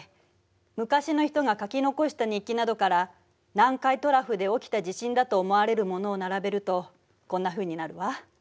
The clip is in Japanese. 昔の人が書き残した日記などから南海トラフで起きた地震だと思われるものを並べるとこんなふうになるわ。